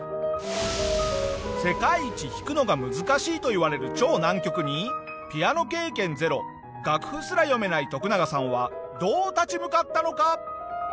世界一弾くのが難しいといわれる超難曲にピアノ経験ゼロ楽譜すら読めないトクナガさんはどう立ち向かったのか？